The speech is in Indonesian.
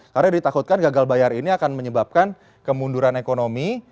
karena ditakutkan gagal bayar ini akan menyebabkan kemunduran ekonomi